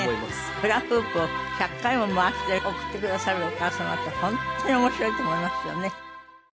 フラフープを１００回も回して送ってくださるお母様って本当に面白いと思いますよね。